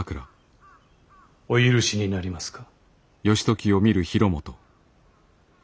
お許しになりますか。